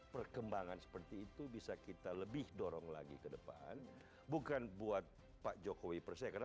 perkembangan seperti itu bisa kita lebih dorong lagi kedepan bukan buat pak jokowi persaikan